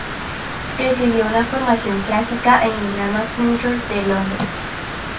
Recibió una formación clásica en el Drama Centre de Londres.